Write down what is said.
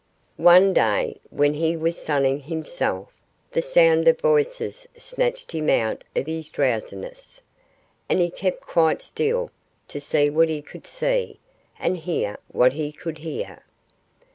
One day when he was sunning himself the sound of voices snatched him out of his drowsiness. And he kept quite still, to see what he could see, and hear what he could hear.